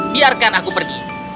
biarkan aku pergi